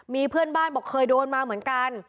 มีเพื่อนบ้านบอกเคยโดนมาเหมือนกัน